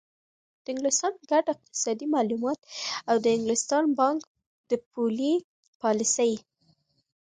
د انګلستان ګډ اقتصادي معلومات او د انګلستان بانک د پولي پالیسۍ